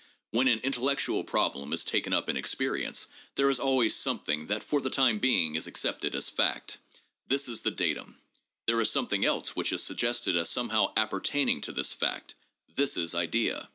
When an intellectual problem is taken up in experience, there is always something that for the time being is accepted as fact— this is the datum; there is something else which is suggested as somehow appertaining to this fact— this is idea.